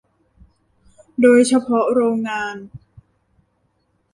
โดยเฉพาะโรงงาน